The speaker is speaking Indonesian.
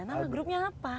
nama grupnya apa